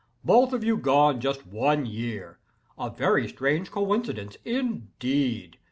Both of you gone just one year. A very strange coincidence, indeed!